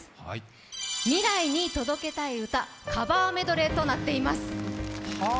「未来に届けたい歌カバーメドレー」となっています。